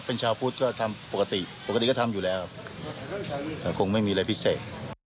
เป็นชาวพุทธก็ทำปกติปกติก็ทำอยู่แล้วคงไม่มีอะไรพิเศษ